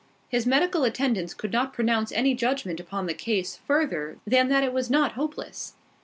His medical attendants could not pronounce any judgment upon the case further than that it was not hopeless.